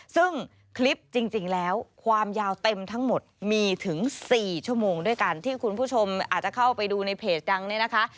ซึ่งคลิปจริงแล้วความยาวเต็มทั้งหมดมีถึง๔ชั่วโมงด้วยกันที่คุณผู้ชมอาจจะเข้าไปดูในเพจดังเนี่ยนะคะ